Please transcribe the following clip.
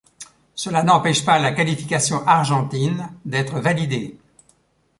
Cela n'empêche pas la qualification argentine d'être validée.